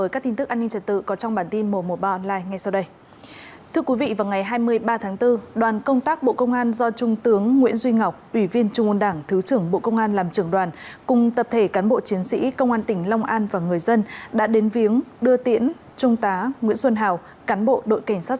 các bạn hãy đăng ký kênh để ủng hộ kênh của chúng mình nhé